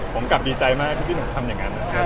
ผมกลับดีใจมากที่พี่หนุ่มทำอย่างนั้น